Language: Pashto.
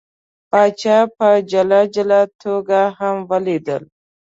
پاچا په جلا جلا توګه هم ولیدل.